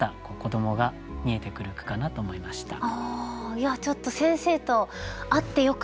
いやちょっと先生と合ってよかったです。